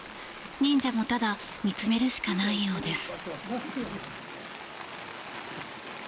忍者もただ見つめるしかないようです。